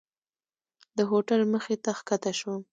د هوټل مخې ته ښکته شوم.